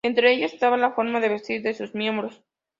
Entre ellas estaba la forma de vestir de sus miembros.